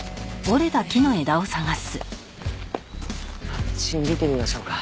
あっち見てみましょうか。